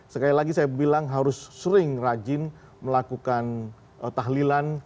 sekali lagi saya bilang harus sering rajin melakukan tahlilan